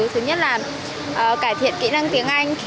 thứ nhất là cải thiện kỹ năng tiếng anh